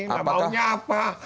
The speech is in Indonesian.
nah maunya apa